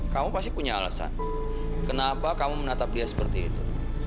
kamu pasti punya alasan kenapa kamu menatap dia seperti itu